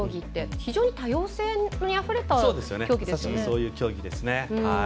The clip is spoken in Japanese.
非常に多様性にあふれた競技ですよね。